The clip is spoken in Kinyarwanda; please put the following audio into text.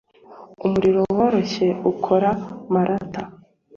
umuriro woroshye ukora malt.